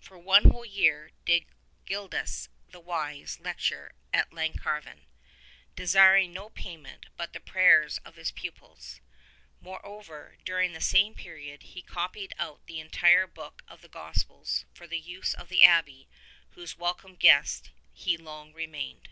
For one whole year did Gildas the Wise lecture at Llan carvan, desiring no payment but the prayers of his pupils. Moreover, during the same period he copied out the entire book of the Gospels for the use of the abbey whose welcome guest he long remained.